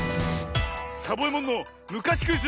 サボえもんのむかしクイズ